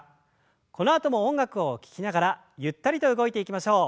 このあとも音楽を聞きながらゆったりと動いていきましょう。